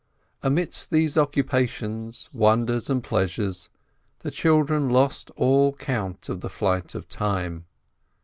Amidst these occupations, wonders, and pleasures, the children lost all count of the flight of time.